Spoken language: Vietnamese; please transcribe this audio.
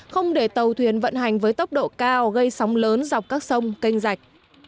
không để tàu thuyền vận hành với tốc độ cao gây sóng lớn dọc các sông kênh rạch